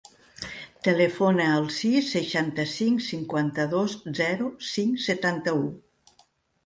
Telefona al sis, seixanta-cinc, cinquanta-dos, zero, cinc, setanta-u.